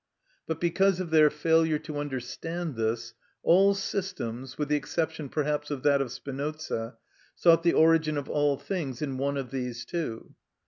But because of their failure to understand this, all systems (with the exception perhaps of that of Spinoza) sought the origin of all things in one of these two.